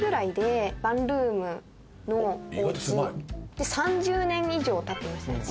で３０年以上経ってましたね築。